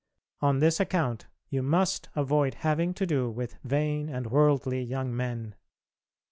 On this account you must avoid having to do with vain and worldly young men.